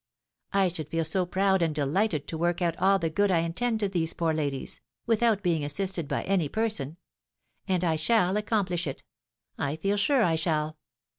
I should feel so proud and delighted to work out all the good I intend to these poor ladies, without being assisted by any person; and I shall accomplish it, I feel sure I shall.